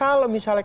kalau misalnya kpk